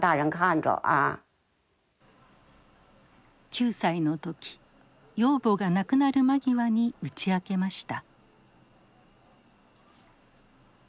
９歳の時養母が亡くなる間際に打ち明けました。